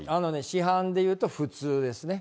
市販でいうと、普通ですね。